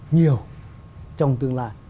nhiều trong tương lai